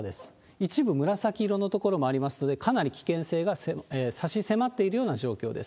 一部紫色の所もありますので、かなり危険性が差し迫っているような状況です。